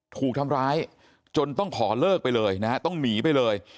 ถูกทำร้ายจนต้องขอเลิกไปเลยนะฮะต้องหนีไปเลย